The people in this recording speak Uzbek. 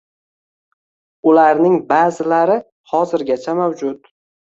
ularning ba’zilari hozirgacha mavjud.